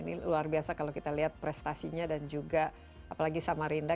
ini luar biasa kalau kita lihat prestasinya dan juga apalagi samarinda